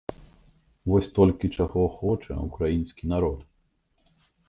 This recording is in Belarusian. Вось толькі чаго хоча ўкраінскі народ?